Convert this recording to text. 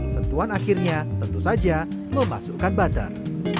sentuhan akhirnya tentu saja memasukkan butter